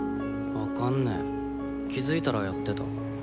分かんね気付いたらやってた。